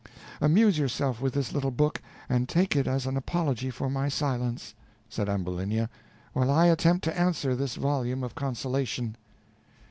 Amuse yourself with this little book, and take it as an apology for my silence," said Ambulinia, "while I attempt to answer this volume of consolation."